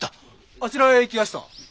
あちらへ行きやした。